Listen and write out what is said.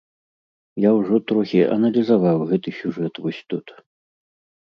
Я ўжо трохі аналізаваў гэты сюжэт вось тут.